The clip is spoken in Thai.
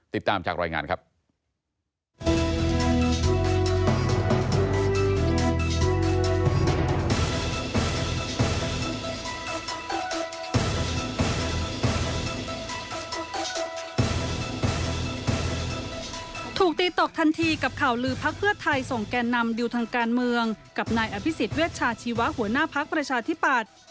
ติดตามจากรายงานครับ